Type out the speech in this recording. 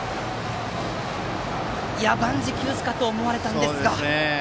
万事休すかと思われましたが。